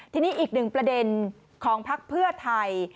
ทีนี้อีกหนึ่งประเด็นของพักเพื่อไทย